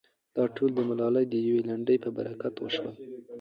دا ټول د ملالې د يوې لنډۍ په برکت وشول.